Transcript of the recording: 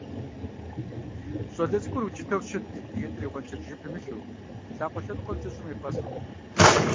ЩӀалэ цӀыкӀур укӀытэу щытт, и ӀитӀыр и гъуэншэдж жыпым илъу, лъакъуэ лъэныкъуэмкӀэ щӀым епӀэстхъыу.